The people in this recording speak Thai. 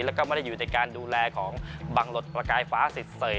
แล้วก็ไม่ได้อยู่ในการดูแลของบังหลดประกายฟ้าสิทเสย